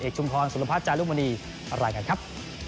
เอกชุมพรสุรพัฒน์จารุมณีลายกันครับ